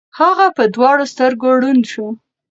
هغه په دواړو سترګو ړوند شو.